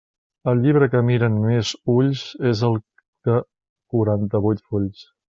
El llibre que miren més ulls és el de quaranta-vuit fulls.